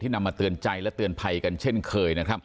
ที่นำมาเตือนใจและเตอร์ไพน์กันเช่นเคย